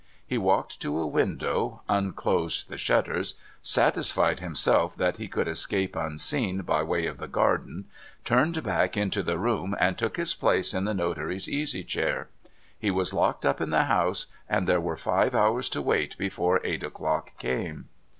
He walked to a window, unclosed the shutters, satisfied himself that he could escape unseen by way of the garden, turned back into the room, and took his place in the notary's easy chair. He was locked up in the house, and there were five hours to wait before eight o'clock came.